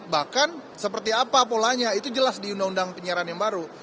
bahkan seperti apa polanya itu jelas di undang undang penyiaran yang baru